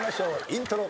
イントロ。